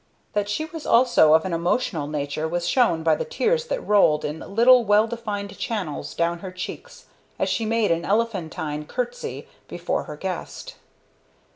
That she was also of an emotional nature was shown by the tears that rolled in little well defined channels down her cheeks as she made an elephantine courtesy before her guest.